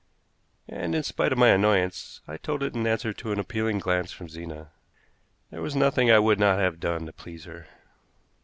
And, in spite of my annoyance, I told it in answer to an appealing glance from Zena. There was nothing I would not have done to please her.